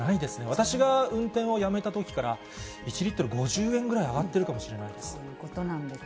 私が運転をやめたときから、１リットル５０円ぐらい上がってるかもしれないです。